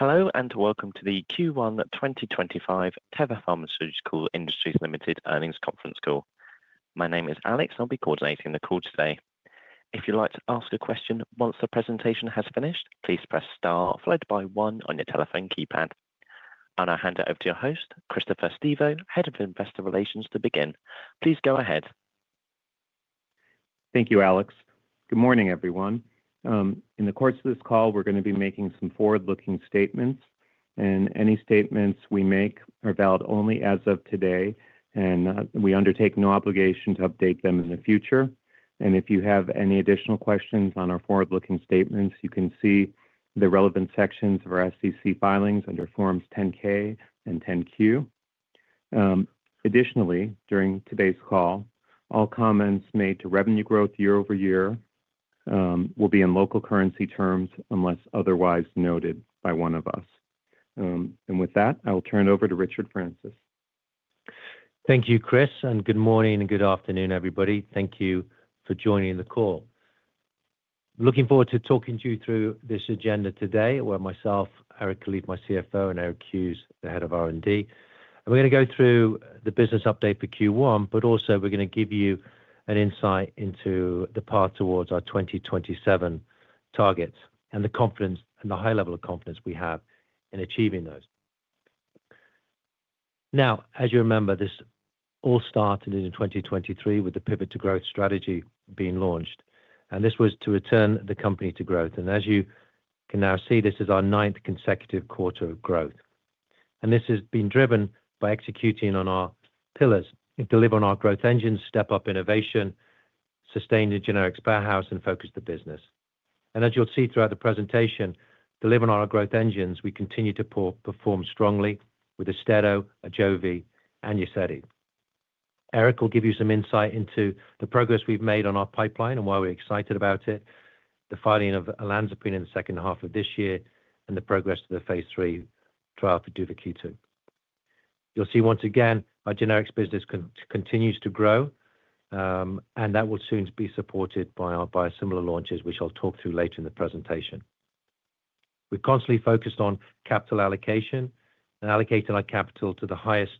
Hello and welcome to the Q1 2025 Teva Pharmaceutical Industries earnings conference call. My name is Alex, and I'll be coordinating the call today. If you'd like to ask a question once the presentation has finished, please press star followed by one on your telephone keypad. I'll now hand it over to your host, Christopher Stevo, Head of Investor Relations, to begin. Please go ahead. Thank you, Alex. Good morning, everyone. In the course of this call, we're going to be making some forward-looking statements, and any statements we make are valid only as of today, and we undertake no obligation to update them in the future. If you have any additional questions on our forward-looking statements, you can see the relevant sections of our SEC filings under Forms 10-K and 10-Q. Additionally, during today's call, all comments made to revenue growth year-over-year will be in local currency terms unless otherwise noted by one of us. With that, I will turn it over to Richard Francis. Thank you, Chris, and good morning and good afternoon, everybody. Thank you for joining the call. Looking forward to talking to you through this agenda today where myself, Eli Kalif, my CFO, and Eric Hughes, the Head of R&D. We are going to go through the business update for Q1, but also we are going to give you an insight into the path towards our 2027 targets and the confidence and the high level of confidence we have in achieving those. Now, as you remember, this all started in 2023 with the pivot to growth strategy being launched, and this was to return the company to growth. As you can now see, this is our ninth consecutive quarter of growth. This has been driven by executing on our pillars, delivering on our growth engines, step up innovation, sustain the generics powerhouse, and focus the business. As you'll see throughout the presentation, delivering on our growth engines, we continue to perform strongly with AUSTEDO, AJOVY, and UZEDY. Eric will give you some insight into the progress we've made on our pipeline and why we're excited about it, the filing of olanzapine in the second half of this year, and the progress to the phase III trial for duvakitug. You'll see once again our generics business continues to grow, and that will soon be supported by our biosimilar launches, which I'll talk through later in the presentation. We've constantly focused on capital allocation and allocating our capital to the highest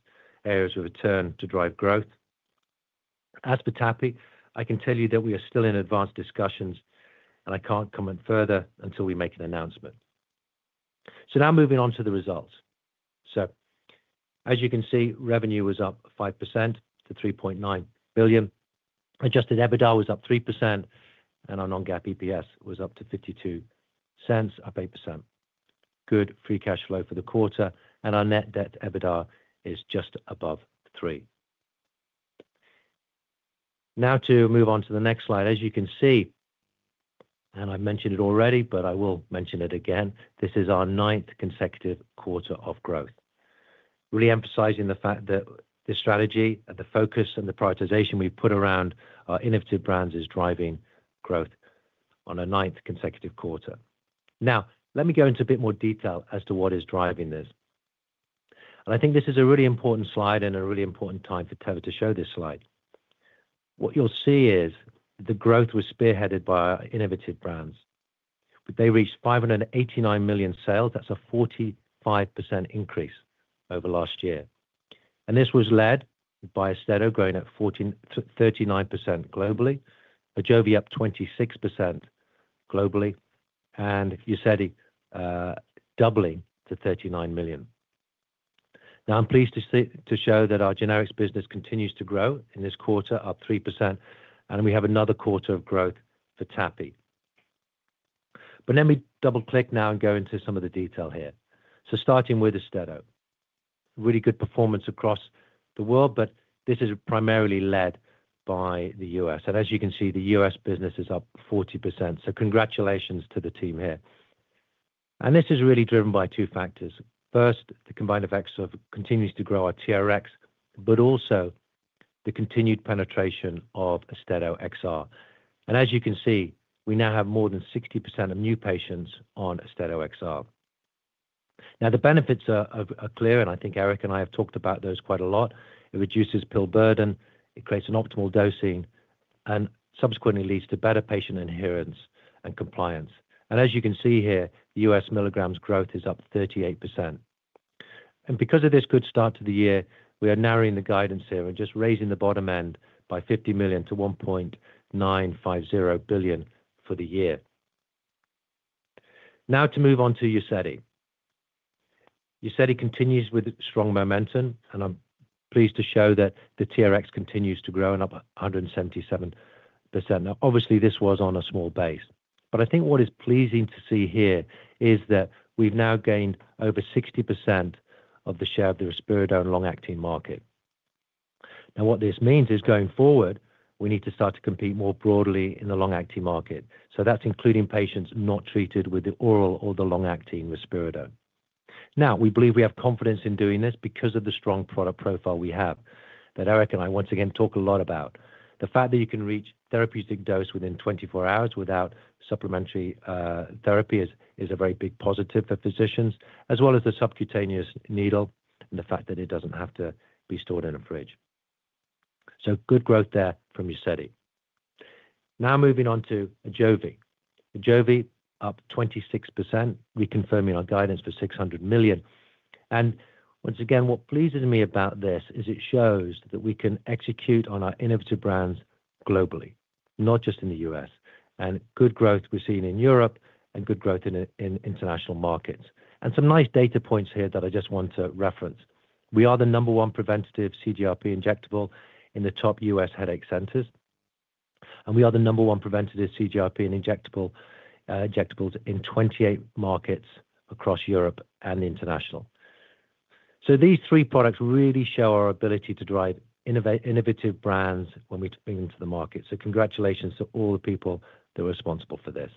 areas of return to drive growth. As for TAPI, I can tell you that we are still in advanced discussions, and I can't comment further until we make an announcement. Now moving on to the results. As you can see, revenue was up 5% to $3.9 billion. Adjusted EBITDA was up 3%, and our non-GAAP EPS was up to $0.52, up 8%. Good free cash flow for the quarter, and our net debt to EBITDA is just above three. Now to move on to the next slide. As you can see, and I've mentioned it already, but I will mention it again, this is our ninth consecutive quarter of growth. Really emphasizing the fact that the strategy and the focus and the prioritization we've put around our innovative brands is driving growth on a ninth consecutive quarter. Now, let me go into a bit more detail as to what is driving this. I think this is a really important slide and a really important time for Teva to show this slide. What you'll see is the growth was spearheaded by our innovative brands. They reached $589 million sales. That's a 45% increase over last year. This was led by AUSTEDO, growing at 39% globally, AJOVY up 26% globally, and UZEDY doubling to $39 million. Now, I'm pleased to show that our generics business continues to grow in this quarter, up 3%, and we have another quarter of growth for TAPI. Let me double-click now and go into some of the detail here. Starting with AUSTEDO, really good performance across the world, but this is primarily led by the U.S. As you can see, the U.S. business is up 40%. Congratulations to the team here. This is really driven by two factors. First, the combined effects of continuing to grow our TRx, but also the continued penetration of AUSTEDO XR. As you can see, we now have more than 60% of new patients on AUSTEDO XR. Now, the benefits are clear, and I think Eric and I have talked about those quite a lot. It reduces pill burden, it creates an optimal dosing, and subsequently leads to better patient adherence and compliance. As you can see here, the U.S. milligrams growth is up 38%. Because of this good start to the year, we are narrowing the guidance here and just raising the bottom end by $50 million to $1.950 billion for the year. Now to move on to UZEDY. UZEDY continues with strong momentum, and I'm pleased to show that the TRx continues to grow and up 177%. Obviously, this was on a small base, but I think what is pleasing to see here is that we've now gained over 60% of the share of the risperidone long-acting market. Now, what this means is going forward, we need to start to compete more broadly in the long-acting market. That is including patients not treated with the oral or the long-acting risperidone. We believe we have confidence in doing this because of the strong product profile we have that Eric and I once again talk a lot about. The fact that you can reach therapeutic dose within 24 hours without supplementary therapy is a very big positive for physicians, as well as the subcutaneous needle and the fact that it does not have to be stored in a fridge. Good growth there from UZEDY. Now moving on to AJOVY. AJOVY up 26%, reconfirming our guidance for $600 million. Once again, what pleases me about this is it shows that we can execute on our innovative brands globally, not just in the U.S. Good growth we're seeing in Europe and good growth in international markets. Some nice data points here that I just want to reference. We are the number one preventative CGRP injectable in the top U.S. headache centers. We are the number one preventative CGRP injectables in 28 markets across Europe and international. These three products really show our ability to drive innovative brands when we bring them to the market. Congratulations to all the people that were responsible for this.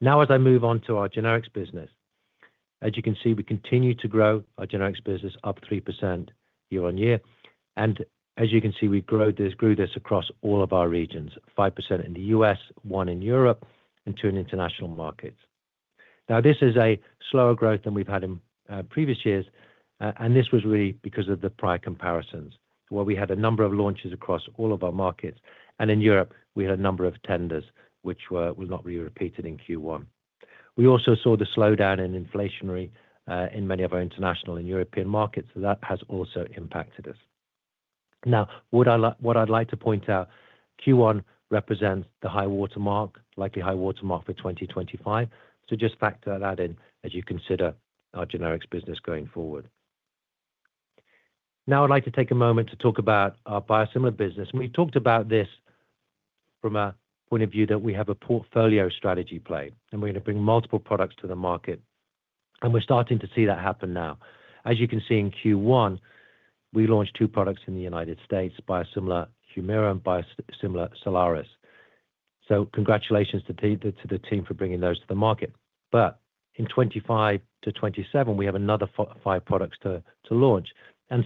Now, as I move on to our generics business, as you can see, we continue to grow our generics business up 3% year-on-year. As you can see, we grew this across all of our regions, 5% in the U.S., 1% in Europe, and 2% in international markets. Now, this is a slower growth than we've had in previous years, and this was really because of the prior comparisons, where we had a number of launches across all of our markets. In Europe, we had a number of tenders, which were not really repeated in Q1. We also saw the slowdown in inflationary in many of our international and European markets. That has also impacted us. What I'd like to point out, Q1 represents the high watermark, likely high watermark for 2025. Just factor that in as you consider our generics business going forward. I'd like to take a moment to talk about our biosimilar business. We talked about this from a point of view that we have a portfolio strategy play, and we're going to bring multiple products to the market. We're starting to see that happen now. As you can see in Q1, we launched two products in the United States, biosimilar to Humira and biosimilar to Soliris. Congratulations to the team for bringing those to the market. In 2025 to 2027, we have another five products to launch.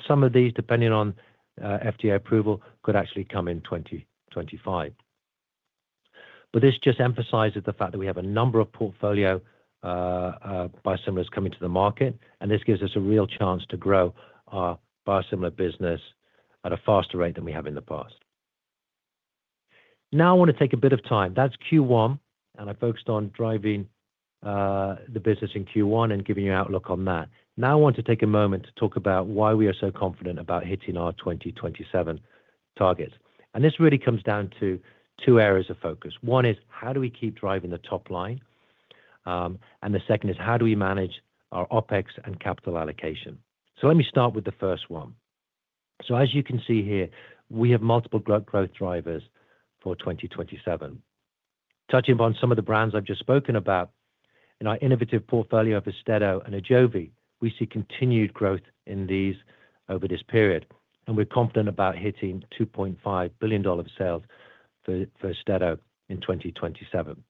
Some of these, depending on FDA approval, could actually come in 2025. This just emphasizes the fact that we have a number of portfolio biosimilars coming to the market, and this gives us a real chance to grow our biosimilar business at a faster rate than we have in the past. Now, I want to take a bit of time. That is Q1, and I focused on driving the business in Q1 and giving you an outlook on that. Now, I want to take a moment to talk about why we are so confident about hitting our 2027 targets. This really comes down to two areas of focus. One is how do we keep driving the top line? The second is how do we manage our OpEx and capital allocation? Let me start with the first one. As you can see here, we have multiple growth drivers for 2027. Touching upon some of the brands I've just spoken about, in our innovative portfolio of AUSTEDO and AJOVY, we see continued growth in these over this period. We're confident about hitting $2.5 billion of sales for AUSTEDO in 2027.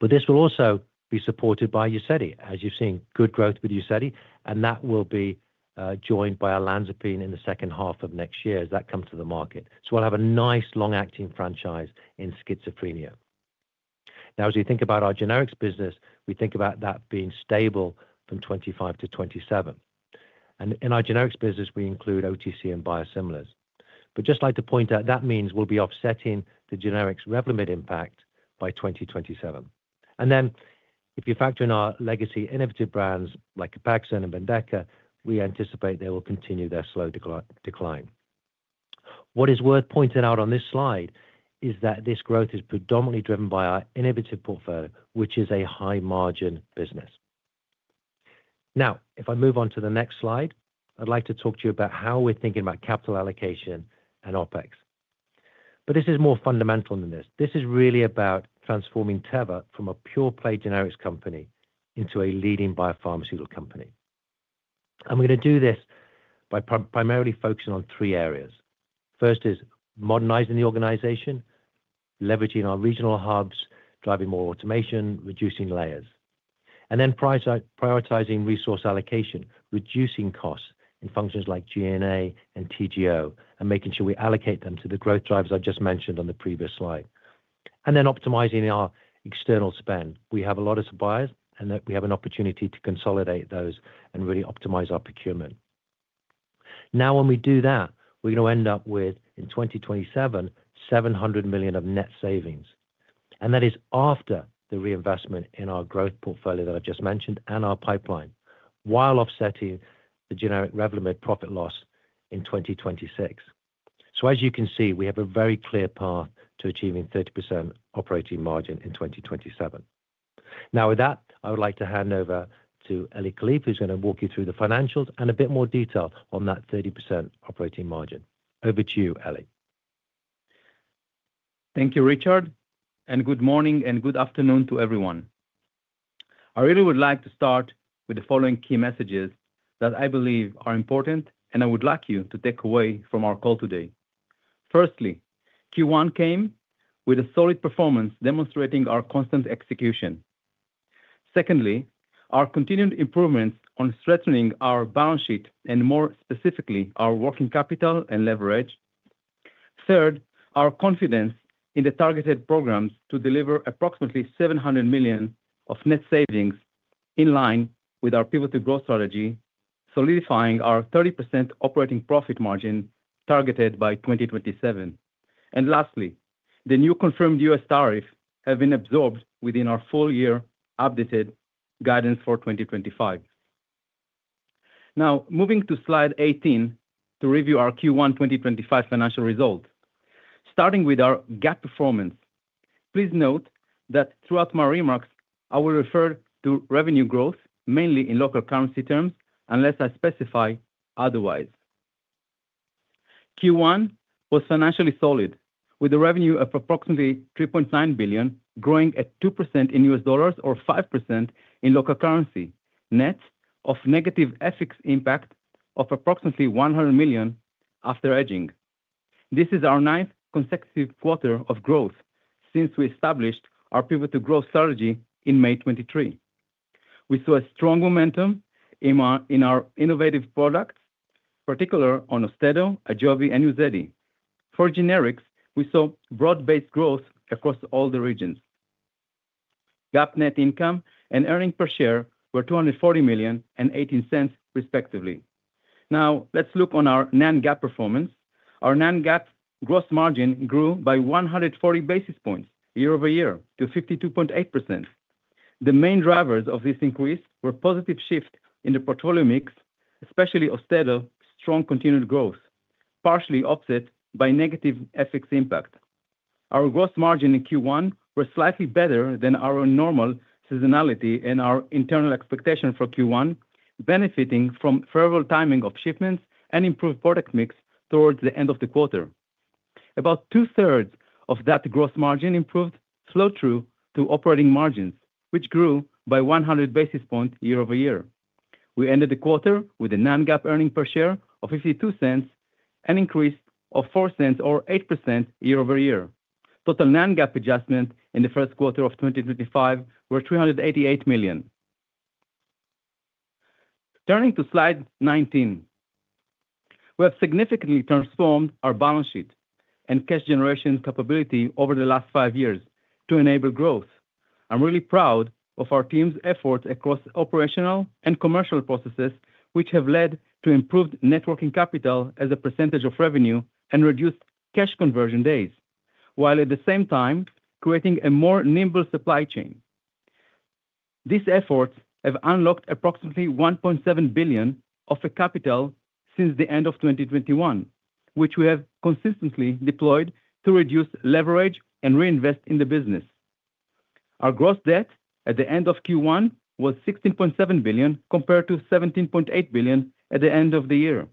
This will also be supported by UZEDY, as you've seen, good growth with UZEDY, and that will be joined by olanzapine in the second half of next year as that comes to the market. We'll have a nice long-acting franchise in schizophrenia. Now, as we think about our generics business, we think about that being stable from 2025 to 2027. And in our generics business, we include OTC and biosimilars. Just like to point out, that means we'll be offsetting the generics revenue impact by 2027. And then if you factor in our legacy innovative brands like COPAXONE and BENDEKA, we anticipate they will continue their slow decline. What is worth pointing out on this slide is that this growth is predominantly driven by our innovative portfolio, which is a high-margin business. Now, if I move on to the next slide, I'd like to talk to you about how we're thinking about capital allocation and OpEx. This is more fundamental than this. This is really about transforming Teva from a pure-play generics company into a leading biopharmaceutical company. We're going to do this by primarily focusing on three areas. First is modernizing the organization, leveraging our regional hubs, driving more automation, reducing layers. Then prioritizing resource allocation, reducing costs in functions like G&A and TGO, and making sure we allocate them to the growth drivers I just mentioned on the previous slide. Then optimizing our external spend. We have a lot of suppliers, and we have an opportunity to consolidate those and really optimize our procurement. Now, when we do that, we're going to end up with, in 2027, $700 million of net savings. That is after the reinvestment in our growth portfolio that I've just mentioned and our pipeline, while offsetting the generic revenue profit loss in 2026. As you can see, we have a very clear path to achieving 30% operating margin in 2027. Now, with that, I would like to hand over to Eli Kalif, who's going to walk you through the financials and a bit more detail on that 30% operating margin. Over to you, Eli. Thank you, Richard. Good morning and good afternoon to everyone. I really would like to start with the following key messages that I believe are important, and I would like you to take away from our call today. Firstly, Q1 came with a solid performance demonstrating our constant execution. Secondly, our continued improvements on strengthening our balance sheet and, more specifically, our working capital and leverage. Third, our confidence in the targeted programs to deliver approximately $700 million of net savings in line with our pivotal growth strategy, solidifying our 30% operating profit margin targeted by 2027. Lastly, the new confirmed U.S. tariffs have been absorbed within our full-year updated guidance for 2025. Now, moving to slide 18 to review our Q1 2025 financial results. Starting with our GAAP performance, please note that throughout my remarks, I will refer to revenue growth mainly in local currency terms unless I specify otherwise. Q1 was financially solid, with a revenue of approximately $3.9 billion, growing at 2% in U.S. dollars or 5% in local currency, net of negative FX impact of approximately $100 million after hedging. This is our ninth consecutive quarter of growth since we established our pivotal growth strategy in May 2023. We saw a strong momentum in our innovative products, particularly on AUSTEDO, AJOVY, and UZEDY. For generics, we saw broad-based growth across all the regions. GAAP net income and earnings per share were $240 million and $0.18, respectively. Now, let's look on our non-GAAP performance. Our non-GAAP gross margin grew by 140 basis points year-over-year to 52.8%. The main drivers of this increase were positive shifts in the portfolio mix, especially AUSTEDO, strong continued growth, partially offset by negative FX impact. Our gross margin in Q1 was slightly better than our normal seasonality and our internal expectation for Q1, benefiting from favorable timing of shipments and improved product mix towards the end of the quarter. About two-thirds of that gross margin improved flow-through to operating margins, which grew by 100 basis points year-over-year. We ended the quarter with a non-GAAP earnings per share of $0.52 and an increase of $0.04 or 8% year-over-year. Total non-GAAP adjustment in the first quarter of 2025 was $388 million. Turning to slide 19, we have significantly transformed our balance sheet and cash generation capability over the last five years to enable growth. I'm really proud of our team's efforts across operational and commercial processes, which have led to improved networking capital as a percentage of revenue and reduced cash conversion days, while at the same time creating a more nimble supply chain. These efforts have unlocked approximately $1.7 billion of capital since the end of 2021, which we have consistently deployed to reduce leverage and reinvest in the business. Our gross debt at the end of Q1 was $16.7 billion compared to $17.8 billion at the end of the year.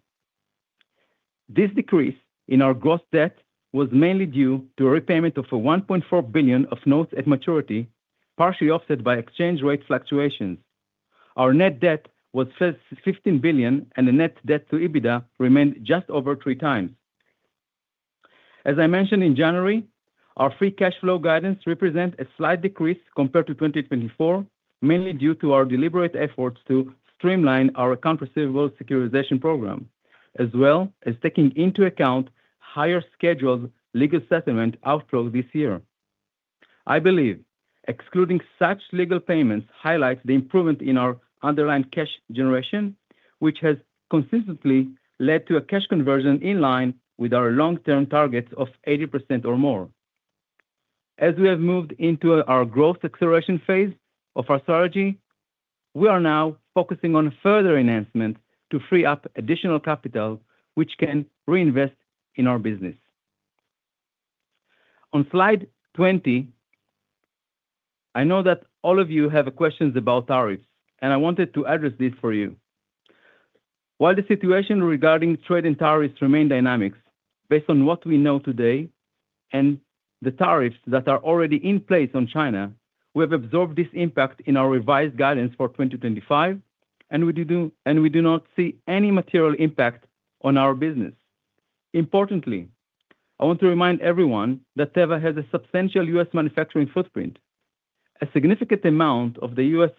This decrease in our gross debt was mainly due to a repayment of $1.4 billion of notes at maturity, partially offset by exchange rate fluctuations. Our net debt was $15 billion, and the net debt to EBITDA remained just over three times. As I mentioned in January, our free cash flow guidance represents a slight decrease compared to 2024, mainly due to our deliberate efforts to streamline our account receivable securitization program, as well as taking into account higher scheduled legal settlement outflow this year. I believe excluding such legal payments highlights the improvement in our underlying cash generation, which has consistently led to a cash conversion in line with our long-term targets of 80% or more. As we have moved into our growth acceleration phase of our strategy, we are now focusing on further enhancement to free up additional capital, which can reinvest in our business. On slide 20, I know that all of you have questions about tariffs, and I wanted to address this for you. While the situation regarding trade and tariffs remains dynamic, based on what we know today and the tariffs that are already in place on China, we have absorbed this impact in our revised guidance for 2025, and we do not see any material impact on our business. Importantly, I want to remind everyone that Teva has a substantial U.S. manufacturing footprint. A significant amount of the U.S.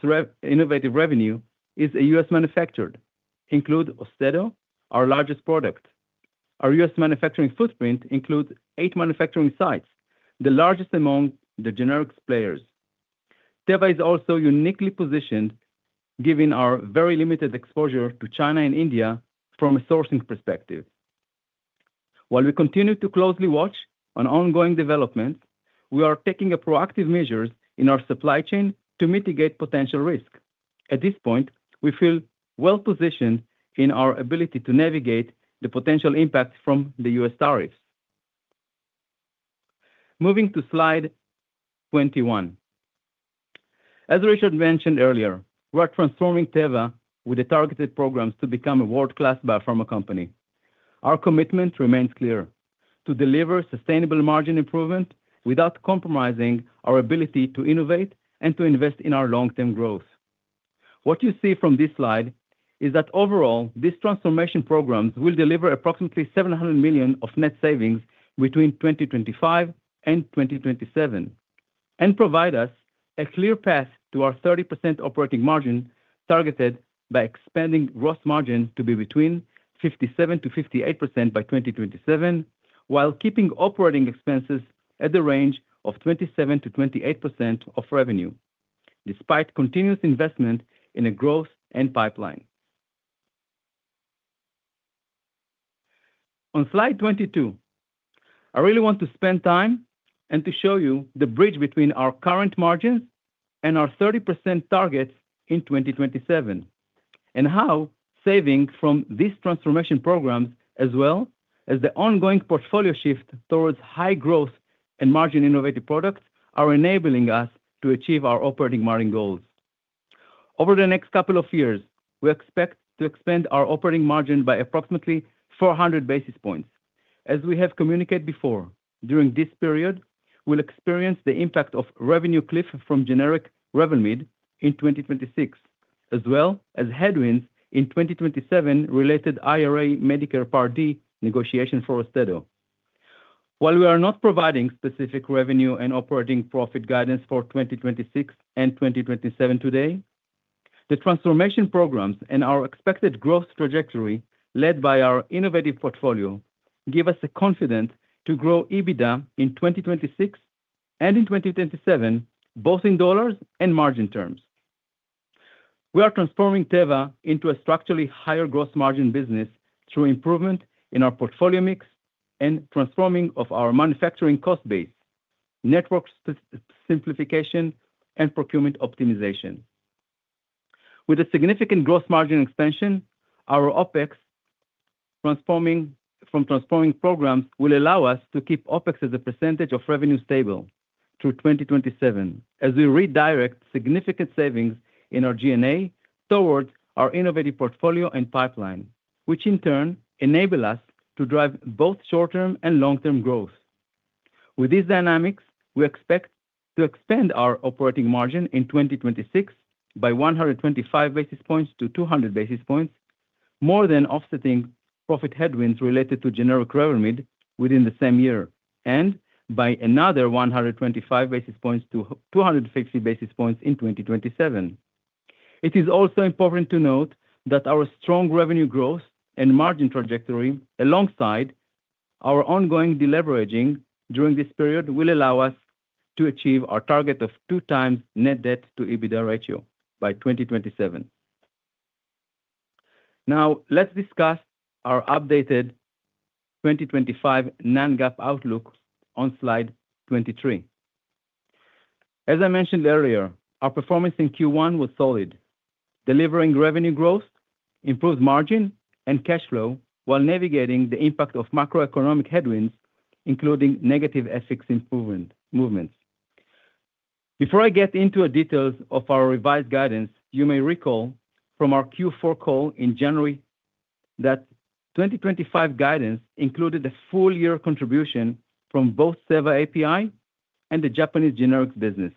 innovative revenue is US-manufactured, including AUSTEDO, our largest product. Our U.S. manufacturing footprint includes eight manufacturing sites, the largest among the generics players. Teva is also uniquely positioned, given our very limited exposure to China and India from a sourcing perspective. While we continue to closely watch ongoing developments, we are taking proactive measures in our supply chain to mitigate potential risk. At this point, we feel well-positioned in our ability to navigate the potential impact from the U.S. tariffs. Moving to slide 21. As Richard mentioned earlier, we are transforming Teva with the targeted programs to become a world-class biopharma company. Our commitment remains clear: to deliver sustainable margin improvement without compromising our ability to innovate and to invest in our long-term growth. What you see from this slide is that overall, these transformation programs will deliver approximately $700 million of net savings between 2025 and 2027 and provide us a clear path to our 30% operating margin targeted by expanding gross margin to be between 57%-58% by 2027, while keeping operating expenses at the range of 27%-28% of revenue, despite continuous investment in a growth and pipeline. On slide 22, I really want to spend time and to show you the bridge between our current margins and our 30% targets in 2027, and how savings from these transformation programs, as well as the ongoing portfolio shift towards high growth and margin-innovative products, are enabling us to achieve our operating margin goals. Over the next couple of years, we expect to expand our operating margin by approximately 400 basis points. As we have communicated before, during this period, we'll experience the impact of revenue cliff from generic revenue in 2026, as well as headwinds in 2027-related IRA Medicare Part D negotiation for AUSTEDO. While we are not providing specific revenue and operating profit guidance for 2026 and 2027 today, the transformation programs and our expected growth trajectory led by our innovative portfolio give us the confidence to grow EBITDA in 2026 and in 2027, both in dollars and margin terms. We are transforming Teva into a structurally higher gross margin business through improvement in our portfolio mix and transforming of our manufacturing cost base, network simplification, and procurement optimization. With a significant gross margin expansion, our OpEx transforming programs will allow us to keep OpEx as a percentage of revenue stable through 2027, as we redirect significant savings in our G&A towards our innovative portfolio and pipeline, which in turn enable us to drive both short-term and long-term growth. With these dynamics, we expect to expand our operating margin in 2026 by 125 basis points to 200 basis points, more than offsetting profit headwinds related to generic revenue within the same year, and by another 125 basis points to 250 basis points in 2027. It is also important to note that our strong revenue growth and margin trajectory, alongside our ongoing deleveraging during this period, will allow us to achieve our target of two-times net debt to EBITDA ratio by 2027. Now, let's discuss our updated 2025 non-GAAP outlook on slide 23. As I mentioned earlier, our performance in Q1 was solid, delivering revenue growth, improved margin, and cash flow while navigating the impact of macroeconomic headwinds, including negative FX improvement movements. Before I get into the details of our revised guidance, you may recall from our Q4 call in January that 2025 guidance included a full-year contribution from both Teva API and the Japanese generics business.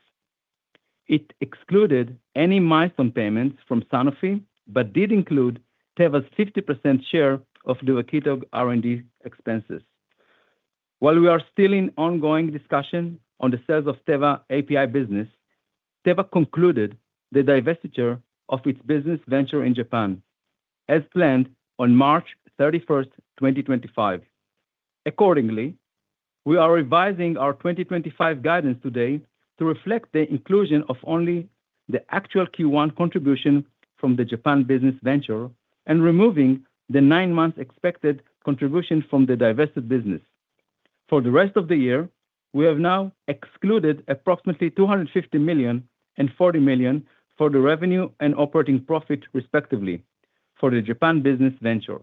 It excluded any milestone payments from Sanofi, but did include Teva's 50% share of the duvakitug R&D expenses. While we are still in ongoing discussion on the sales of Teva API business, Teva concluded the divestiture of its business venture in Japan, as planned on March 31, 2025. Accordingly, we are revising our 2025 guidance today to reflect the inclusion of only the actual Q1 contribution from the Japan business venture and removing the nine-month expected contribution from the divested business. For the rest of the year, we have now excluded approximately $250 million and $40 million for the revenue and operating profit, respectively, for the Japan business venture.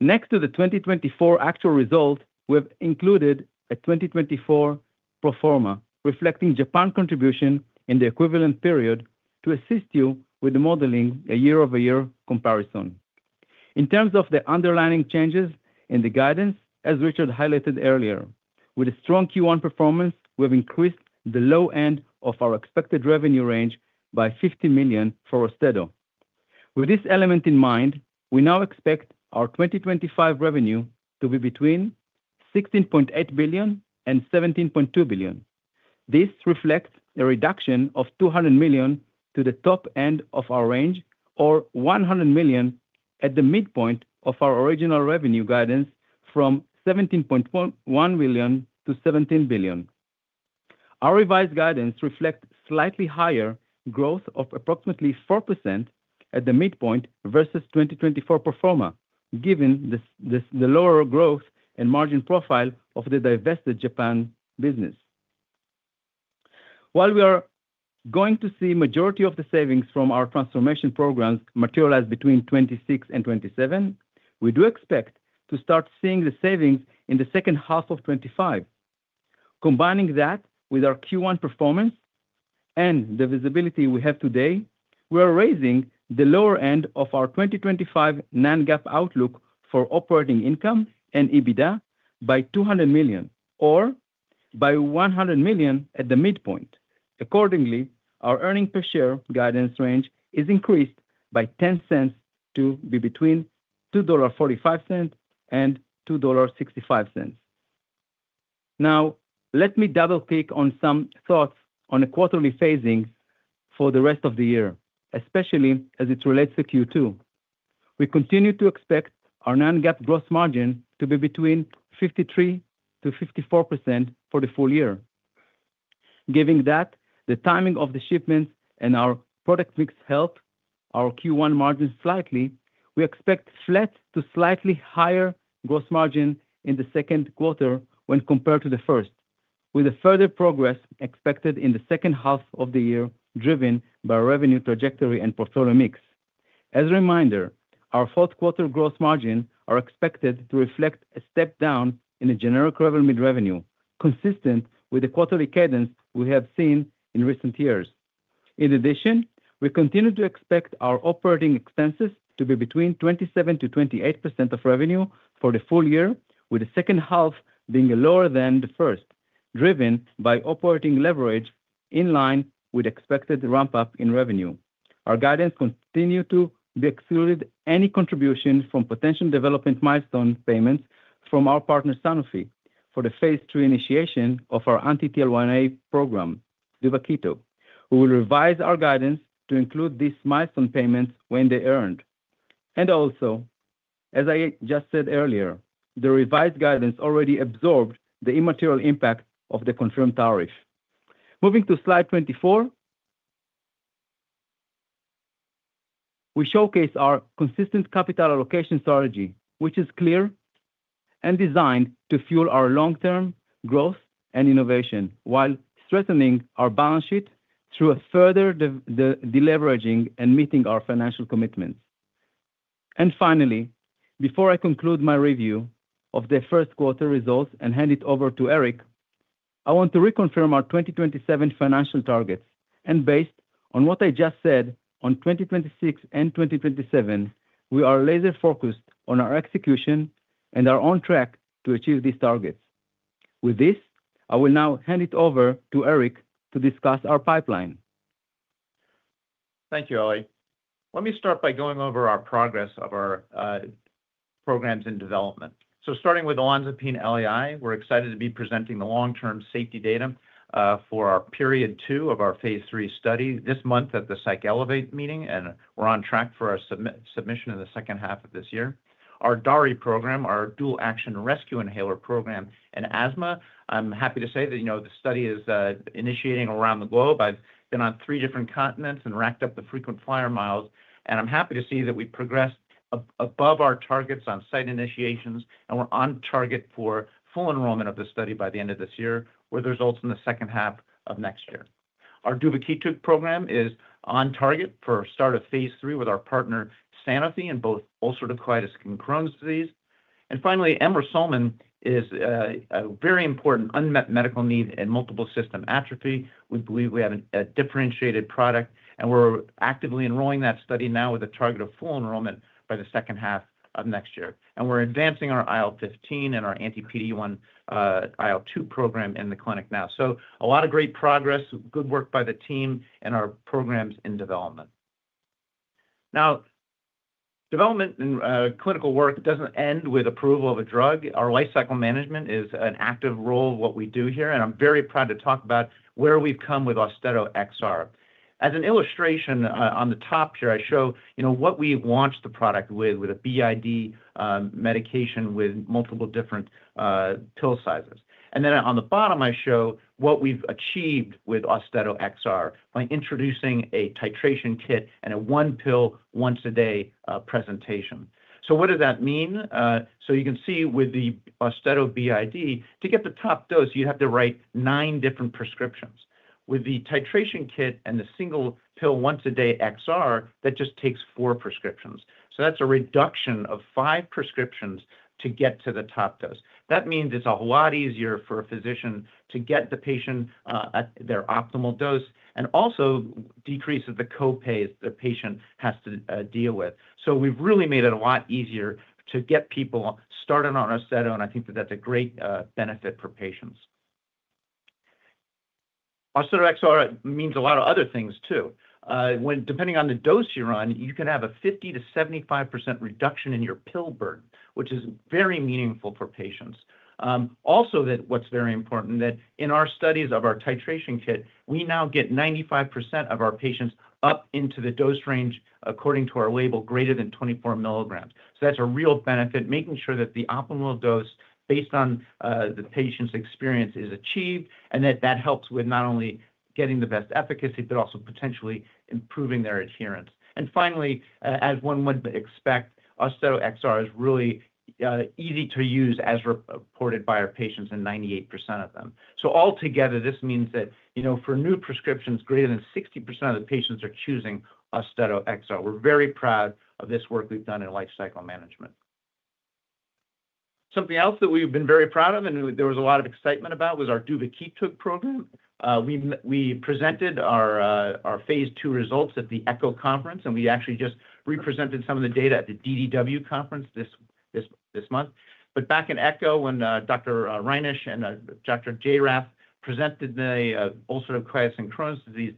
Next to the 2024 actual result, we have included a 2024 proforma, reflecting Japan contribution in the equivalent period, to assist you with the modeling a year-over-year comparison. In terms of the underlying changes in the guidance, as Richard highlighted earlier, with a strong Q1 performance, we have increased the low end of our expected revenue range by $50 million for AUSTEDO. With this element in mind, we now expect our 2025 revenue to be between $16.8 billion and $17.2 billion. This reflects a reduction of $200 million to the top end of our range, or $100 million at the midpoint of our original revenue guidance from $17.1 billion to $17 billion. Our revised guidance reflects slightly higher growth of approximately 4% at the midpoint versus 2024 proforma, given the lower growth and margin profile of the divested Japan business. While we are going to see the majority of the savings from our transformation programs materialize between 2026 and 2027, we do expect to start seeing the savings in the second half of 2025. Combining that with our Q1 performance and the visibility we have today, we are raising the lower end of our 2025 non-GAAP outlook for operating income and EBITDA by $200 million, or by $100 million at the midpoint. Accordingly, our earnings per share guidance range is increased by $0.10 to be between $2.45-$2.65. Now, let me double-click on some thoughts on the quarterly phasing for the rest of the year, especially as it relates to Q2. We continue to expect our non-GAAP gross margin to be between 53%-54% for the full year. Given that the timing of the shipments and our product mix helped our Q1 margins slightly, we expect flat to slightly higher gross margin in the second quarter when compared to the first, with further progress expected in the second half of the year driven by revenue trajectory and portfolio mix. As a reminder, our fourth quarter gross margins are expected to reflect a step down in the generic revenue, consistent with the quarterly cadence we have seen in recent years. In addition, we continue to expect our operating expenses to be between 27%-28% of revenue for the full year, with the second half being lower than the first, driven by operating leverage in line with expected ramp-up in revenue. Our guidance continues to exclude any contribution from potential development milestone payments from our partner Sanofi for the phase III initiation of our anti-TL1A program, duvakitug. We will revise our guidance to include these milestone payments when they're earned. Also, as I just said earlier, the revised guidance already absorbed the immaterial impact of the confirmed tariff. Moving to slide 24, we showcase our consistent capital allocation strategy, which is clear and designed to fuel our long-term growth and innovation while strengthening our balance sheet through further deleveraging and meeting our financial commitments. Finally, before I conclude my review of the first quarter results and hand it over to Eric, I want to reconfirm our 2027 financial targets. Based on what I just said on 2026 and 2027, we are laser-focused on our execution and are on track to achieve these targets. With this, I will now hand it over to Eric to discuss our pipeline. Thank you, Ali. Let me start by going over our progress of our programs and development. Starting with olanzapine LAI, we're excited to be presenting the long-term safety data for our period two of our phase III study this month at the PsychElevate meeting, and we're on track for our submission in the second half of this year. Our DARI program, our dual-action rescue inhaler program in asthma, I'm happy to say that the study is initiating around the globe. I've been on three different continents and racked up the frequent flyer miles, and I'm happy to see that we progressed above our targets on site initiations, and we're on target for full enrollment of the study by the end of this year with results in the second half of next year. Our duvakitug program is on target for start of phase III with our partner Sanofi in both ulcerative colitis and Crohn's disease. Finally, emrusolmin is a very important unmet medical need in multiple system atrophy. We believe we have a differentiated product, and we're actively enrolling that study now with a target of full enrollment by the second half of next year. We're advancing our IL-15 and our anti-PD-1 IL-2 program in the clinic now. A lot of great progress, good work by the team, and our programs in development. Development and clinical work does not end with approval of a drug. Our life cycle management is an active role of what we do here, and I'm very proud to talk about where we've come with AUSTEDO XR. As an illustration on the top here, I show what we launched the product with, with a BID medication with multiple different pill sizes. I show what we've achieved with AUSTEDO XR by introducing a titration kit and a one-pill once-a-day presentation. What does that mean? You can see with the AUSTEDO BID, to get the top dose, you'd have to write nine different prescriptions. With the titration kit and the single pill once-a-day XR, that just takes four prescriptions. That's a reduction of five prescriptions to get to the top dose. That means it's a lot easier for a physician to get the patient at their optimal dose and also decreases the co-pays the patient has to deal with. We've really made it a lot easier to get people started on AUSTEDO, and I think that that's a great benefit for patients. AUSTEDO XR means a lot of other things too. Depending on the dose you're on, you can have a 50%-75% reduction in your pill burden, which is very meaningful for patients. Also, what's very important is that in our studies of our titration kit, we now get 95% of our patients up into the dose range according to our label, greater than 24 milligrams. That's a real benefit, making sure that the optimal dose based on the patient's experience is achieved and that that helps with not only getting the best efficacy, but also potentially improving their adherence. Finally, as one would expect, AUSTEDO XR is really easy to use, as reported by our patients, and 98% of them. Altogether, this means that for new prescriptions, greater than 60% of the patients are choosing AUSTEDO XR. We're very proud of this work we've done in life cycle management. Something else that we've been very proud of, and there was a lot of excitement about, was our duvakitug program. We presented our phase II results at the ECCO conference, and we actually just re-presented some of the data at the DDW conference this month. Back in ECCO, when Dr. Reinisch and Dr. Jairath presented the ulcerative colitis and Crohn's disease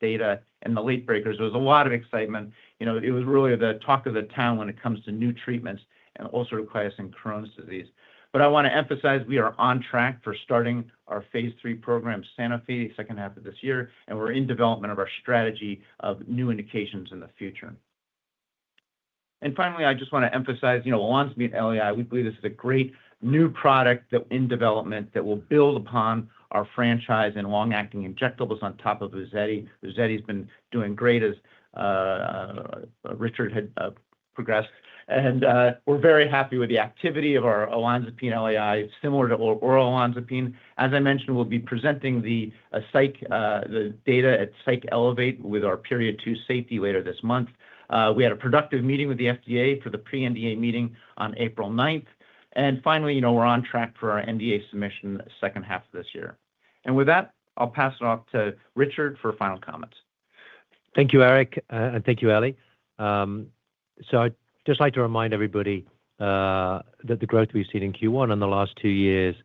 data and the late breakers, there was a lot of excitement. It was really the talk of the town when it comes to new treatments in ulcerative colitis and Crohn's disease. I want to emphasize we are on track for starting our phase III program with Sanofi in the second half of this year, and we are in development of our strategy of new indications in the future. Finally, I just want to emphasize olanzapine LAI. We believe this is a great new product in development that will build upon our franchise in long-acting injectables on top of UZEDY. UZEDY has been doing great as Richard had progressed. We are very happy with the activity of our olanzapine LAI, similar to oral olanzapine. As I mentioned, we will be presenting the data at PsychElevate with our period two safety later this month. We had a productive meeting with the FDA for the pre-NDA meeting on April 9. We are on track for our NDA submission in the second half of this year. With that, I will pass it off to Richard for final comments. Thank you, Eric, and thank you, Ali. I’d just like to remind everybody that the growth we’ve seen in Q1 in the last two years,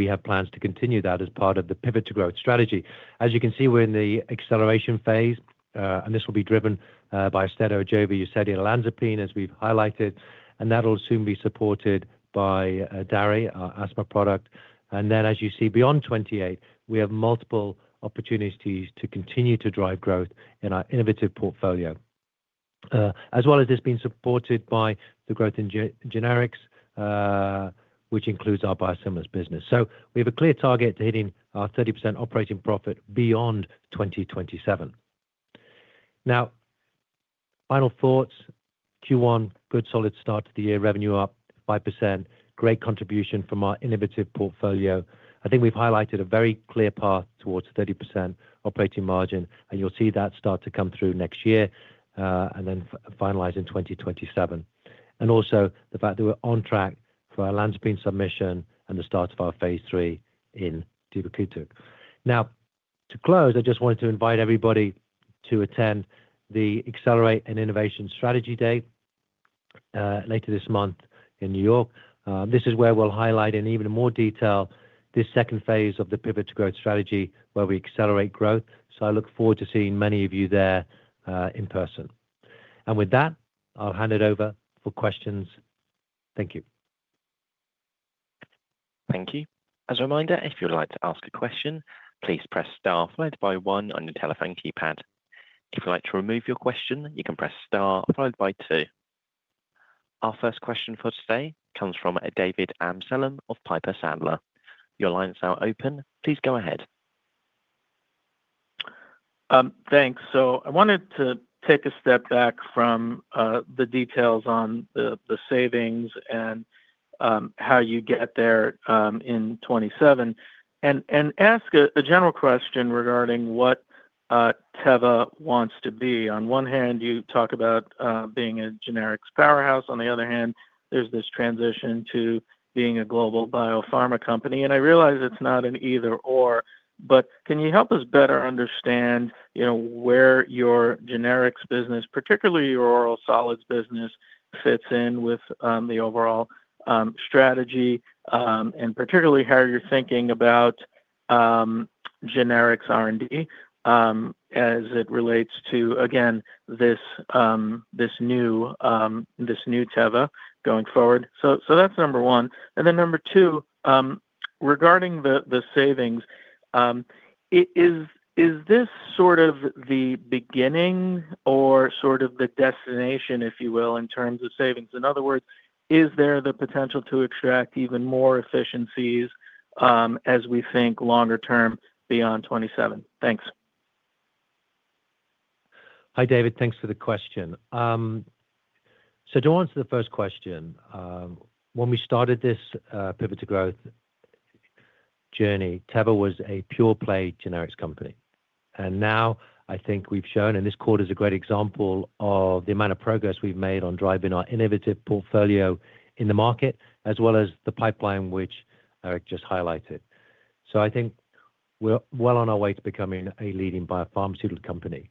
we have plans to continue that as part of the pivot to growth strategy. As you can see, we’re in the acceleration phase, and this will be driven by AUSTEDO, AJOVY, UZEDY, and Olanzapine, as we’ve highlighted. That’ll soon be supported by DARI, our asthma product. As you see, beyond 2028, we have multiple opportunities to continue to drive growth in our innovative portfolio, as well as this being supported by the growth in generics, which includes our biosimilar business. We have a clear target to hitting our 30% operating profit beyond 2027. Now, final thoughts. Q1, good solid start to the year, revenue up 5%, great contribution from our innovative portfolio. I think we've highlighted a very clear path towards 30% operating margin, and you'll see that start to come through next year and then finalize in 2027. Also the fact that we're on track for our Olanzapine submission and the start of our phase III in duvakitug. Now, to close, I just wanted to invite everybody to attend the Accelerate and Innovation Strategy Day later this month in New York. This is where we'll highlight in even more detail this second phase of the pivot to growth strategy where we accelerate growth. I look forward to seeing many of you there in person. With that, I'll hand it over for questions. Thank you. Thank you. As a reminder, if you'd like to ask a question, please press star followed by one on your telephone keypad. If you'd like to remove your question, you can press star followed by two. Our first question for today comes from David Amsellem of Piper Sandler. Your line is now open. Please go ahead. Thanks. I wanted to take a step back from the details on the savings and how you get there in 2027 and ask a general question regarding what Teva wants to be. On one hand, you talk about being a generics powerhouse. On the other hand, there's this transition to being a global biopharma company. I realize it's not an either/or, but can you help us better understand where your generics business, particularly your oral solids business, fits in with the overall strategy and particularly how you're thinking about generics R&D as it relates to, again, this new Teva going forward? That's number one. Number two, regarding the savings, is this sort of the beginning or sort of the destination, if you will, in terms of savings? In other words, is there the potential to extract even more efficiencies as we think longer term beyond 2027? Thanks. Hi, David. Thanks for the question. To answer the first question, when we started this pivot to growth journey, Teva was a pure-play generics company. Now, I think we've shown, and this quarter is a great example of the amount of progress we've made on driving our innovative portfolio in the market as well as the pipeline which Eric just highlighted. I think we're well on our way to becoming a leading biopharmaceutical company.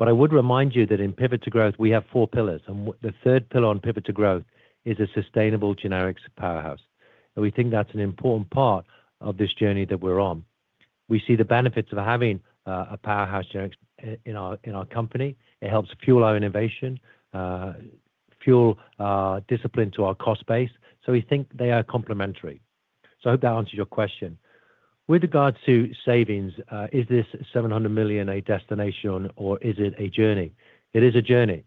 I would remind you that in pivot to growth, we have four pillars, and the third pillar on pivot to growth is a sustainable generics powerhouse. We think that's an important part of this journey that we're on. We see the benefits of having a powerhouse generics in our company. It helps fuel our innovation, fuel discipline to our cost base. We think they are complementary. I hope that answers your question. With regards to savings, is this $700 million a destination, or is it a journey? It is a journey.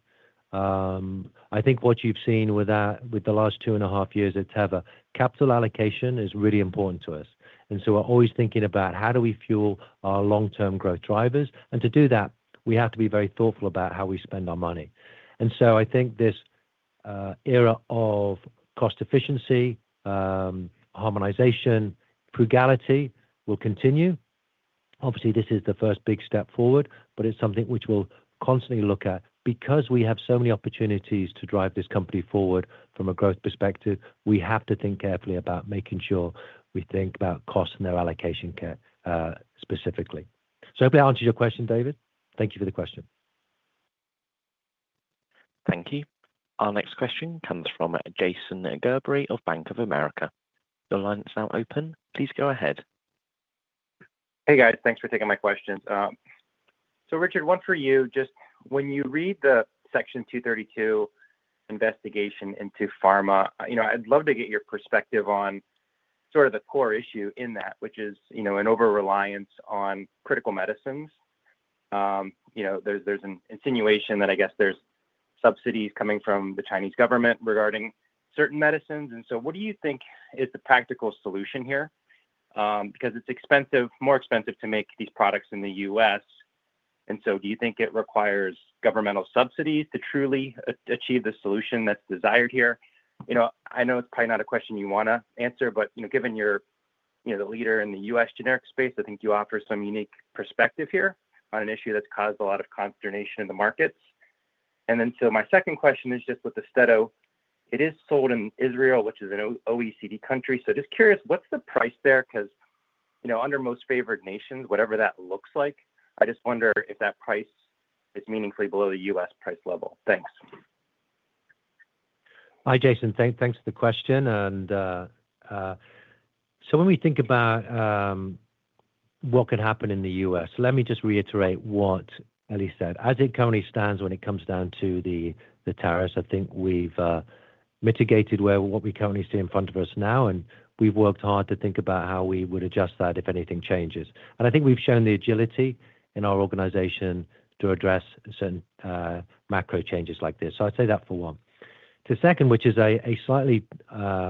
I think what you've seen with the last two and a half years at Teva, capital allocation is really important to us. We are always thinking about how do we fuel our long-term growth drivers. To do that, we have to be very thoughtful about how we spend our money. I think this era of cost efficiency, harmonization, frugality will continue. Obviously, this is the first big step forward, but it's something which we'll constantly look at because we have so many opportunities to drive this company forward from a growth perspective. We have to think carefully about making sure we think about costs and their allocation specifically. Hopefully that answers your question, David. Thank you for the question. Thank you. Our next question comes from Jason Gerberry of Bank of America. The line is now open. Please go ahead. Hey, guys. Thanks for taking my questions. Richard, one for you. Just when you read the Section 232 investigation into pharma, I'd love to get your perspective on sort of the core issue in that, which is an over-reliance on critical medicines. There's an insinuation that I guess there's subsidies coming from the Chinese government regarding certain medicines. What do you think is the practical solution here? Because it's more expensive to make these products in the U.S. Do you think it requires governmental subsidies to truly achieve the solution that's desired here? I know it's probably not a question you want to answer, but given you're the leader in the U.S. generic space, I think you offer some unique perspective here on an issue that's caused a lot of consternation in the markets. My second question is just with AUSTEDO, it is sold in Israel, which is an OECD country. Just curious, what's the price there? Because under most favored nations, whatever that looks like, I just wonder if that price is meaningfully below the U.S. price level. Thanks. Hi, Jason. Thanks for the question. When we think about what could happen in the U.S., let me just reiterate what Eli said. As it currently stands, when it comes down to the tariffs, I think we've mitigated what we currently see in front of us now, and we've worked hard to think about how we would adjust that if anything changes. I think we've shown the agility in our organization to address certain macro changes like this. I'd say that for one. The second, which is a slightly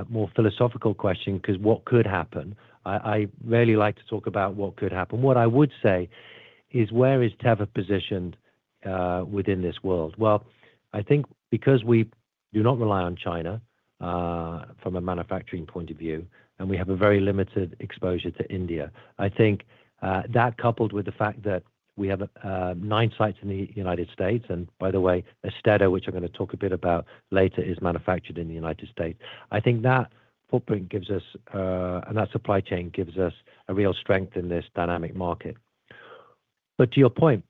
more philosophical question, because what could happen? I really like to talk about what could happen. What I would say is, where is Teva positioned within this world? I think because we do not rely on China from a manufacturing point of view, and we have a very limited exposure to India, I think that coupled with the fact that we have nine sites in the United States, and by the way, AUSTEDO, which I'm going to talk a bit about later, is manufactured in the United States. I think that footprint gives us, and that supply chain gives us a real strength in this dynamic market. To your point,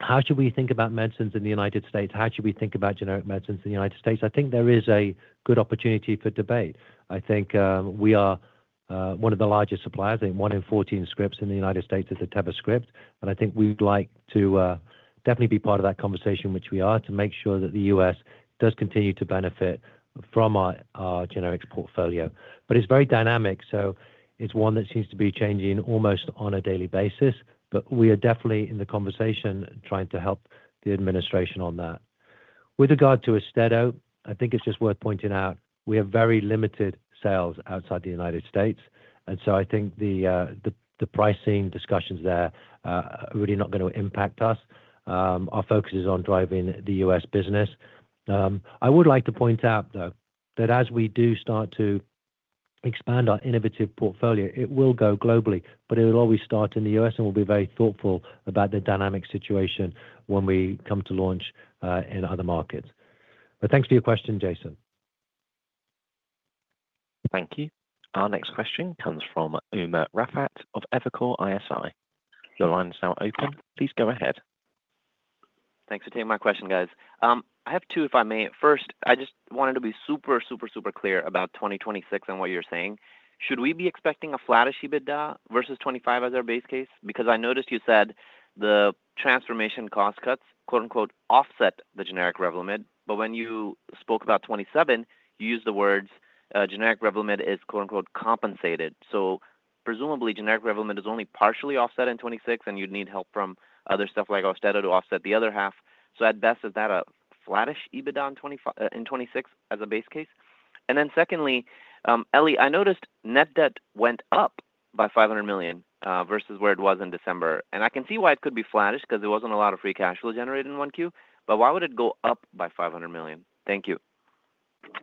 how should we think about medicines in the United States? How should we think about generic medicines in the United States? I think there is a good opportunity for debate. I think we are one of the largest suppliers. I think one in 14 scripts in the United States is a Teva script. I think we'd like to definitely be part of that conversation, which we are, to make sure that the U.S. does continue to benefit from our generics portfolio. It is very dynamic. It is one that seems to be changing almost on a daily basis. We are definitely in the conversation trying to help the administration on that. With regard to AUSTEDO, I think it's just worth pointing out we have very limited sales outside the United States. I think the pricing discussions there are really not going to impact us. Our focus is on driving the U.S. business. I would like to point out, though, that as we do start to expand our innovative portfolio, it will go globally, but it will always start in the U.S., and we'll be very thoughtful about the dynamic situation when we come to launch in other markets. Thanks for your question, Jason. Thank you. Our next question comes from Umer Raffat of Evercore ISI. The line is now open. Please go ahead. Thanks for taking my question, guys. I have two, if I may. First, I just wanted to be super, super, super clear about 2026 and what you're saying. Should we be expecting a flattish EBITDA versus 2025 as our base case? Because I noticed you said the transformation cost cuts "offset" the generic Revlimid. When you spoke about 2027, you used the words generic Revlimid is "compensated." Presumably, generic Revlimid is only partially offset in 2026, and you'd need help from other stuff like AUSTEDO to offset the other half. At best, is that a flattish EBITDA in 2026 as a base case? Then secondly, Eli, I noticed net debt went up by $500 million versus where it was in December. I can see why it could be flattish, because there was not a lot of free cash flow generated in Q1. Why would it go up by $500 million? Thank you. Hi,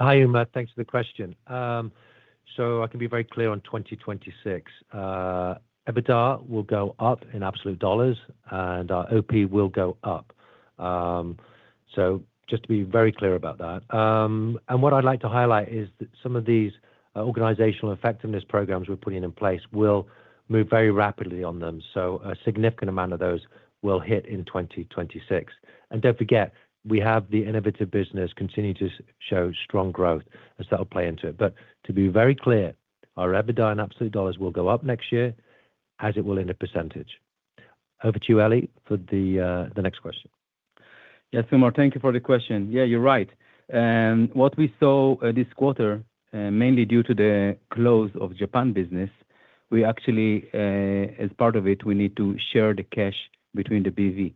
Umer. Thanks for the question. I can be very clear on 2026. EBITDA will go up in absolute dollars, and our OP will go up. Just to be very clear about that. What I would like to highlight is that some of these organizational effectiveness programs we are putting in place will move very rapidly on them. A significant amount of those will hit in 2026. Do not forget, we have the innovative business continuing to show strong growth, and that will play into it. To be very clear, our EBITDA in absolute dollars will go up next year as it will in a percentage. Over to you, Eli, for the next question. Yes, Umer, thank you for the question. Yeah, you're right. What we saw this quarter, mainly due to the close of Japan business, we actually, as part of it, we need to share the cash between the BV.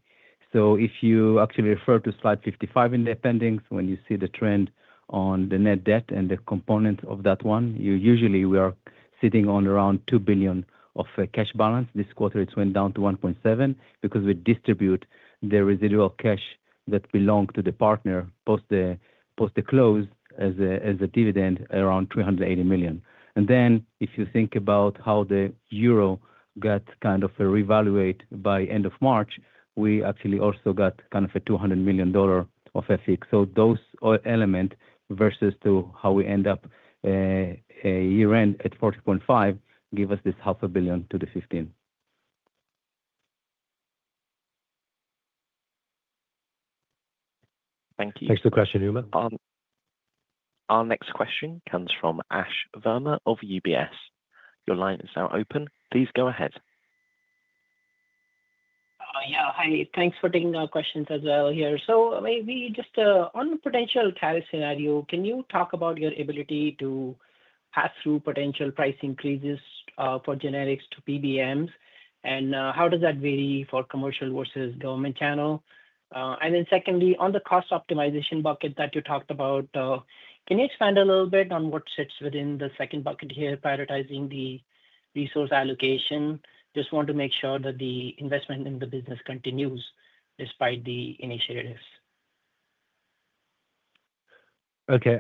If you actually refer to slide 55 in the appendix, when you see the trend on the net debt and the components of that one, usually we are sitting on around $2 billion of cash balance. This quarter, it went down to $1.7 billion because we distribute the residual cash that belonged to the partner post the close as a dividend around $380 million. If you think about how the euro got kind of revaluated by end of March, we actually also got kind of a $200 million of FX. Those elements versus how we end up year-end at $40.5 billion give us this $500 million to the $15 billion. Thank you. Thanks for the question, Umer. Our next question comes from Ash Verma of UBS. Your line is now open. Please go ahead. Yeah, hi. Thanks for taking our questions as well here. Maybe just on the potential tariff scenario, can you talk about your ability to pass through potential price increases for generics to PBMs? How does that vary for commercial versus government channel? Secondly, on the cost optimization bucket that you talked about, can you expand a little bit on what sits within the second bucket here, prioritizing the resource allocation? Just want to make sure that the investment in the business continues despite the initiatives. Okay.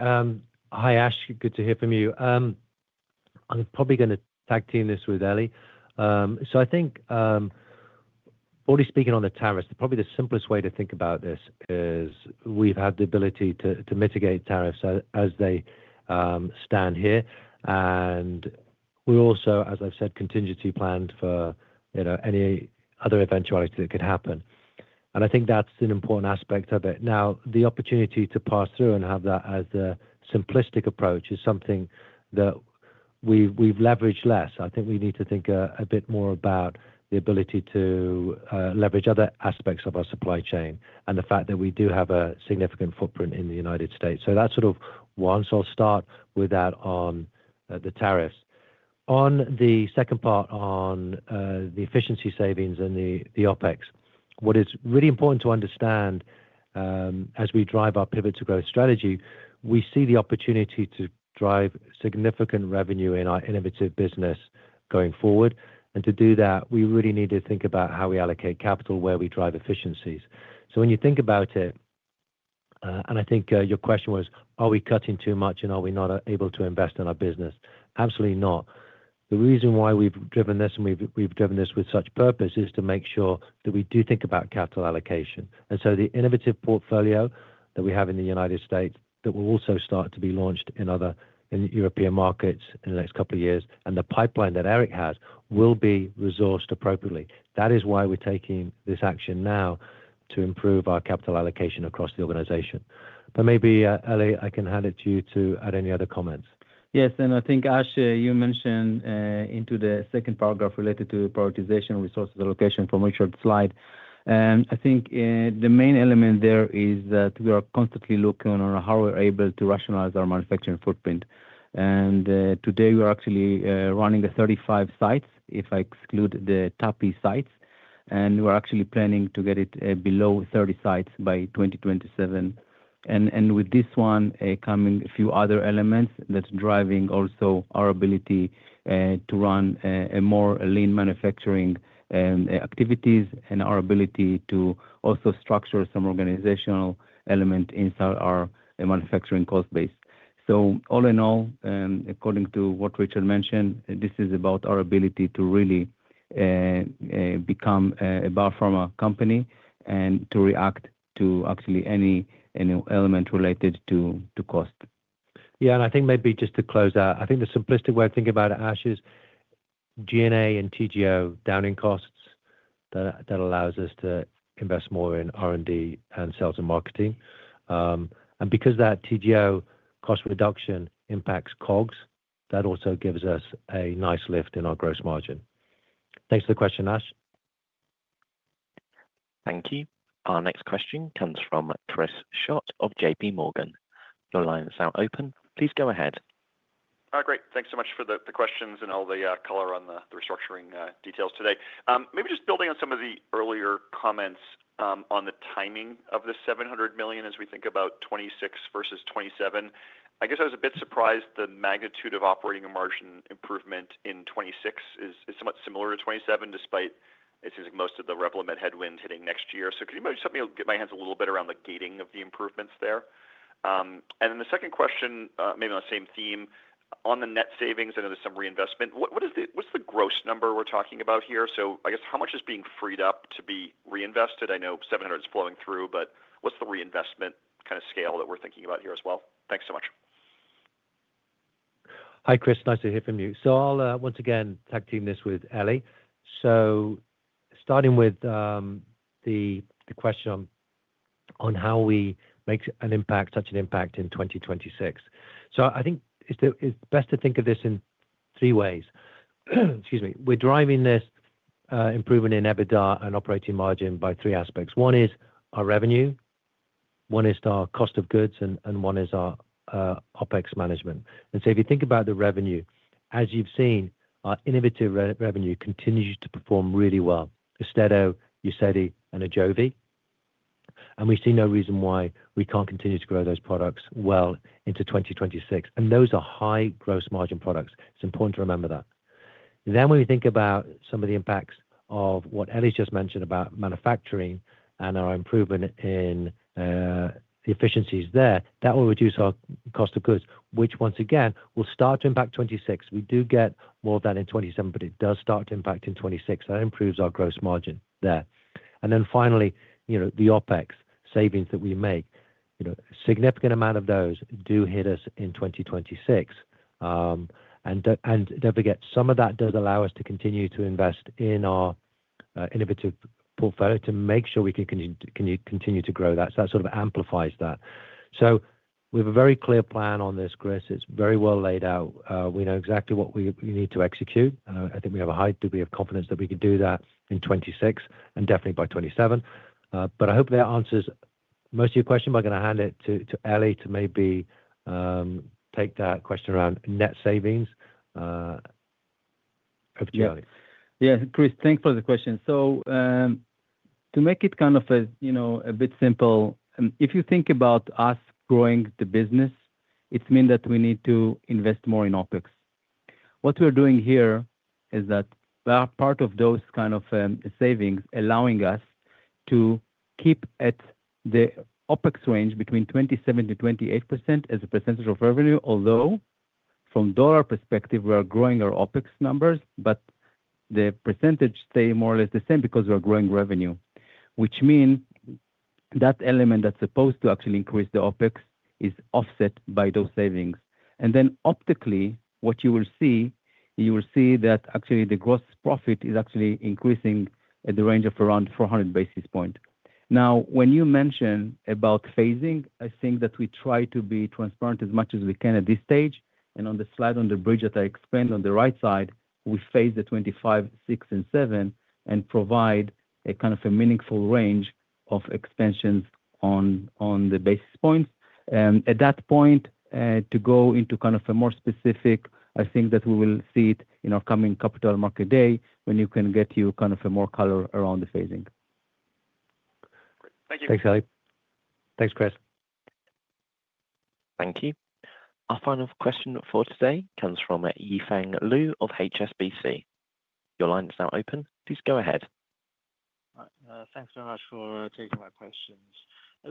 Hi, Ash. Good to hear from you. I'm probably going to tag team this with Eli. I think, only speaking on the tariffs, probably the simplest way to think about this is we've had the ability to mitigate tariffs as they stand here. We also, as I've said, contingency planned for any other eventuality that could happen. I think that's an important aspect of it. Now, the opportunity to pass through and have that as a simplistic approach is something that we've leveraged less. I think we need to think a bit more about the ability to leverage other aspects of our supply chain and the fact that we do have a significant footprint in the United States. That's sort of one. I'll start with that on the tariffs. On the second part on the efficiency savings and the OpEx, what is really important to understand as we drive our pivot to growth strategy, we see the opportunity to drive significant revenue in our innovative business going forward. To do that, we really need to think about how we allocate capital, where we drive efficiencies. When you think about it, and I think your question was, are we cutting too much and are we not able to invest in our business? Absolutely not. The reason why we've driven this and we've driven this with such purpose is to make sure that we do think about capital allocation. The innovative portfolio that we have in the United States that will also start to be launched in other European markets in the next couple of years, and the pipeline that Eric has will be resourced appropriately. That is why we're taking this action now to improve our capital allocation across the organization. Maybe, Eli, I can hand it to you to add any other comments. Yes. I think, Ash, you mentioned into the second paragraph related to prioritization resources allocation from Richard's slide. I think the main element there is that we are constantly looking on how we're able to rationalize our manufacturing footprint. Today, we're actually running 35 sites, if I exclude the TAPI sites. We're actually planning to get it below 30 sites by 2027. With this one coming, a few other elements are driving also our ability to run more lean manufacturing activities and our ability to also structure some organizational element inside our manufacturing cost base. All in all, according to what Richard mentioned, this is about our ability to really become a biopharma company and to react to actually any element related to cost. Yeah. I think maybe just to close out, I think the simplistic way of thinking about it, Ash, is G&A and TGO down in costs that allows us to invest more in R&D and sales and marketing. Because that TGO cost reduction impacts COGS, that also gives us a nice lift in our gross margin. Thanks for the question, Ash. Thank you. Our next question comes from Chris Schott of JP Morgan. The line is now open. Please go ahead. Great. Thanks so much for the questions and all the color on the restructuring details today. Maybe just building on some of the earlier comments on the timing of the $700 million as we think about 2026 versus 2027, I guess I was a bit surprised the magnitude of operating margin improvement in 2026 is somewhat similar to 2027, despite it seems like most of the Revlimid headwinds hitting next year. Could you maybe just help me get my hands a little bit around the gating of the improvements there? The second question, maybe on the same theme, on the net savings, I know there's some reinvestment. What's the gross number we're talking about here? I guess how much is being freed up to be reinvested? I know $700 million is flowing through, but what's the reinvestment kind of scale that we're thinking about here as well? Thanks so much. Hi, Chris. Nice to hear from you. I'll once again tag team this with Eli. Starting with the question on how we make such an impact in 2026. I think it's best to think of this in three ways. Excuse me. We're driving this improvement in EBITDA and operating margin by three aspects. One is our revenue. One is our cost of goods, and one is our OpEx management. If you think about the revenue, as you've seen, our innovative revenue continues to perform really well: AUSTEDO, UZEDY, and AJOVY. We see no reason why we can't continue to grow those products well into 2026. Those are high gross margin products. It's important to remember that. When we think about some of the impacts of what Eli just mentioned about manufacturing and our improvement in efficiencies there, that will reduce our cost of goods, which once again will start to impact 2026. We do get more of that in 2027, but it does start to impact in 2026. That improves our gross margin there. Finally, the OpEx savings that we make, a significant amount of those do hit us in 2026. Do not forget, some of that does allow us to continue to invest in our innovative portfolio to make sure we can continue to grow that. That sort of amplifies that. We have a very clear plan on this, Chris. It is very well laid out. We know exactly what we need to execute. I think we have a high degree of confidence that we can do that in 2026 and definitely by 2027. I hope that answers most of your questions, but I'm going to hand it to Eli to maybe take that question around net savings. Over to you, Eli. Yeah, Chris, thanks for the question. To make it kind of a bit simple, if you think about us growing the business, it means that we need to invest more in OpEx. What we're doing here is that we are part of those kind of savings, allowing us to keep at the OpEx range between 27-28% as a percentage of revenue. Although from dollar perspective, we are growing our OpEx numbers, but the percentage stays more or less the same because we are growing revenue, which means that element that's supposed to actually increase the OpEx is offset by those savings. What you will see, you will see that actually the gross profit is actually increasing at the range of around 400 basis points. Now, when you mention about phasing, I think that we try to be transparent as much as we can at this stage. On the slide on the bridge that I explained on the right side, we phase the 2025, 2026, and 2027 and provide a kind of a meaningful range of expansions on the basis points. At that point, to go into kind of a more specific, I think that we will see it in our coming capital market day when you can get you kind of a more color around the phasing. Great. Thank you. Thanks, Eli. Thanks, Chris. Thank you. Our final question for today comes from Yifeng Liu of HSBC. Your line is now open. Please go ahead. Thanks very much for taking my questions.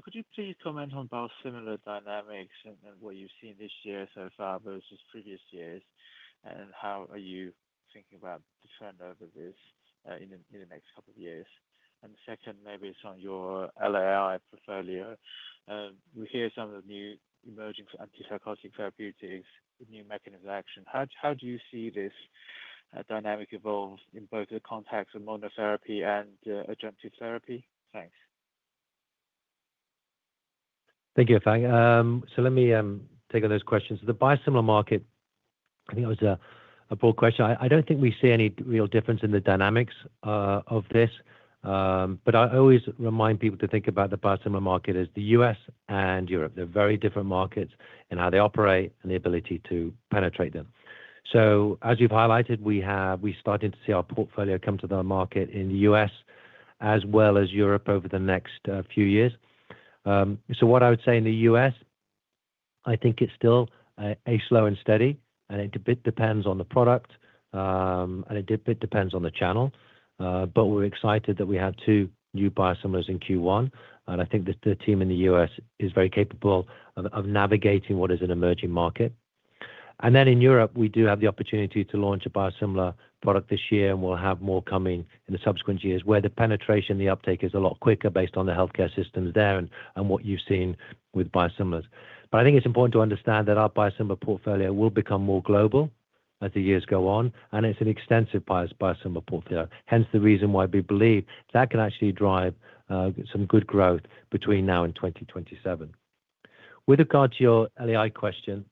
Could you please comment on both similar dynamics and what you've seen this year so far versus previous years, and how are you thinking about the turnover in the next couple of years? Second, maybe it's on your LAI portfolio. We hear some of the new emerging anti-psychotic therapeutics, new mechanisms of action. How do you see this dynamic evolve in both the context of monotherapy and adjunctive therapy? Thanks. Thank you, Yifeng. Let me take on those questions. The biosimilar market, I think it was a broad question. I don't think we see any real difference in the dynamics of this. I always remind people to think about the biosimilar market as the U.S. and Europe. They're very different markets in how they operate and the ability to penetrate them. As you've highlighted, we started to see our portfolio come to the market in the U.S. as well as Europe over the next few years. What I would say in the U.S., I think it's still a slow and steady, and it depends on the product, and it depends on the channel. We're excited that we had two new biosimilars in Q1. I think that the team in the U.S. is very capable of navigating what is an emerging market. In Europe, we do have the opportunity to launch a biosimilar product this year, and we'll have more coming in the subsequent years where the penetration and the uptake is a lot quicker based on the healthcare systems there and what you've seen with biosimilars. I think it's important to understand that our biosimilar portfolio will become more global as the years go on, and it's an extensive biosimilar portfolio. Hence the reason why we believe that can actually drive some good growth between now and 2027. With regard to your LAI question,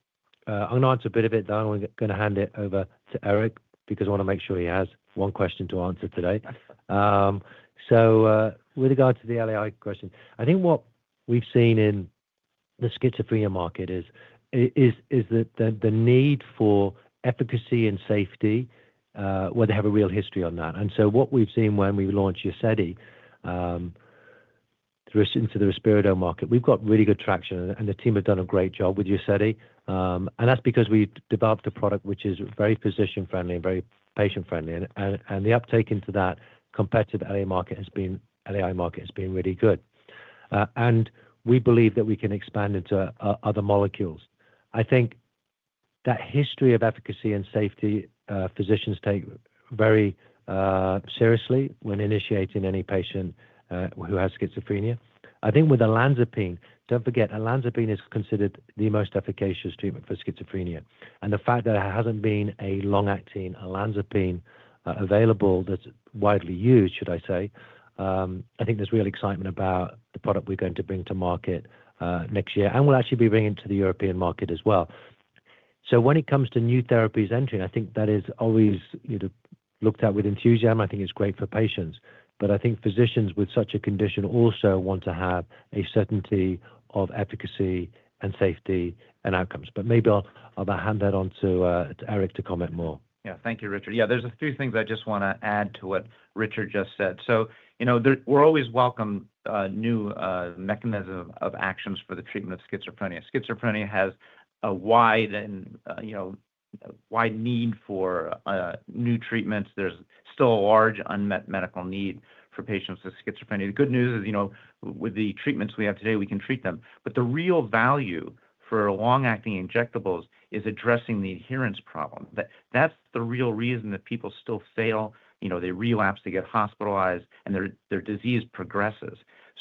I'm going to answer a bit of it, then I'm going to hand it over to Eric because I want to make sure he has one question to answer today. With regard to the LAI question, I think what we've seen in the schizophrenia market is the need for efficacy and safety, where they have a real history on that. What we've seen when we launched UZEDY into the risperidone market, we've got really good traction, and the team has done a great job with UZEDY. That's because we developed a product which is very physician-friendly and very patient-friendly. The uptake into that competitive LAI market has been really good. We believe that we can expand into other molecules. I think that history of efficacy and safety physicians take very seriously when initiating any patient who has schizophrenia. I think with olanzapine, don't forget, olanzapine is considered the most efficacious treatment for schizophrenia. The fact that it hasn't been a long-acting olanzapine available that's widely used, should I say, I think there's real excitement about the product we're going to bring to market next year, and we'll actually be bringing it to the European market as well. When it comes to new therapies entering, I think that is always looked at with enthusiasm. I think it's great for patients. I think physicians with such a condition also want to have a certainty of efficacy and safety and outcomes. Maybe I'll hand that on to Eric to comment more. Yeah. Thank you, Richard. Yeah, there's a few things I just want to add to what Richard just said. We're always welcome new mechanisms of actions for the treatment of schizophrenia. Schizophrenia has a wide need for new treatments. There's still a large unmet medical need for patients with schizophrenia. The good news is with the treatments we have today, we can treat them. The real value for long-acting injectables is addressing the adherence problem. That's the real reason that people still fail. They relapse, they get hospitalized, and their disease progresses.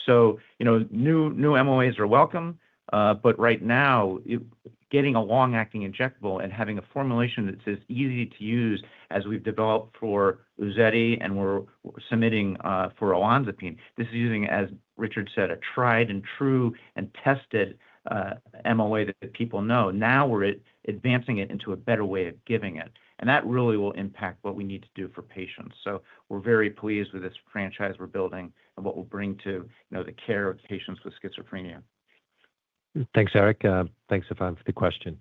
New MOAs are welcome. Right now, getting a long-acting injectable and having a formulation that's as easy to use as we've developed for UZEDY and we're submitting for olanzapine, this is using, as Richard said, a tried and true and tested MOA that people know. Now we're advancing it into a better way of giving it. That really will impact what we need to do for patients. We're very pleased with this franchise we're building and what we'll bring to the care of patients with schizophrenia. Thanks, Eric. Thanks, Yifeng, for the question.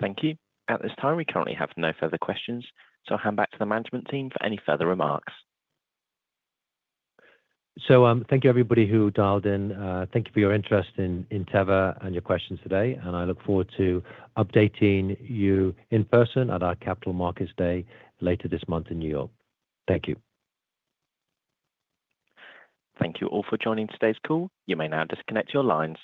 Thank you. At this time, we currently have no further questions. I'll hand back to the management team for any further remarks. Thank you, everybody who dialed in. Thank you for your interest in Teva and your questions today. I look forward to updating you in person at our Capital Markets Day later this month in New York. Thank you. Thank you all for joining today's call. You may now disconnect your lines.